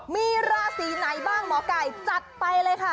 มีราศีไหนบ้างหมอไก่จัดไปเลยค่ะ